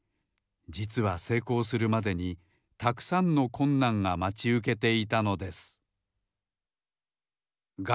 じつはせいこうするまでにたくさんのこんなんがまちうけていたのです